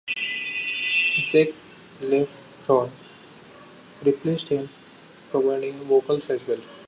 Zach Lehrhoff replaced him, providing vocals as well.